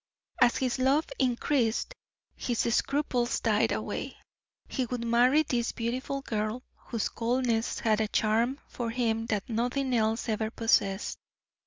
As his love increased, his scruples died away; he would marry this beautiful girl, whose coldness had a charm for him that nothing else ever possessed.